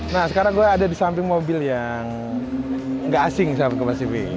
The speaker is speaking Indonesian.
nah sekarang saya ada di samping mobil yang tidak asing sahabat kompas tv